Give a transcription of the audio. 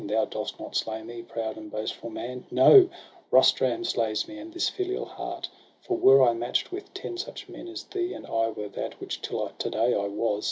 Thou dost not slay me, proud and boastful man! No ! Rustum slays me, and this filial heart. For were I match' d with ten such men as thou, And I were he who till to day I was.